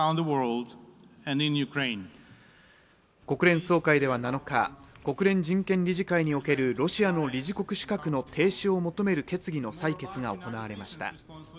国連総会では７日、国連人権理事会におけるロシアの理事国資格停止を求める決議の採決が行われました。